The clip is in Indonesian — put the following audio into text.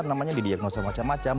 namanya didiagnosa macam macam